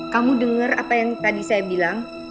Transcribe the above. kamu dengar apa yang tadi saya bilang